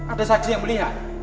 ada saksi yang melihat